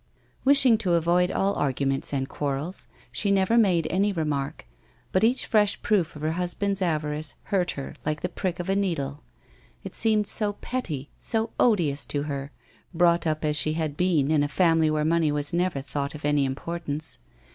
Wishing to avoid all arguments and quarrels she never made any remark, but each fresh proof of her husband's avarice hurt her like the prick of a needle. It seemed so petty, so odious to her, brought up as she had been in a family where money was never thought of any importance.